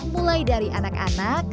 mulai dari anak anak